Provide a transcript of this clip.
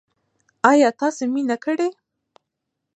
ایا تاسو مینه کړې؟